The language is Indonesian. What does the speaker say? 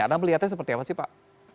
anda melihatnya seperti apa sih pak